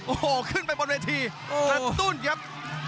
โอ้โหขึ้นไปบนเวทีกระตุ้นครับ